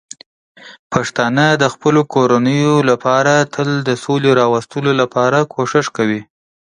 پښتانه د خپلو کورنیو لپاره تل د سولې راوستلو لپاره کوښښ کوي.